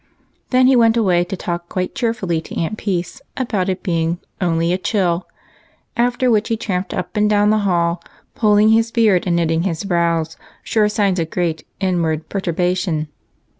Then he went away to talk quite cheerfully to Aunt Peace about its being " only a chill ;" after which he tramped up and down the hall, pulling his beard and knitting his brows, sure signs of great inward pertur bation.